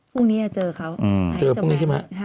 พรุ่งนี้จะเจอเขาไอซ์เซมียมา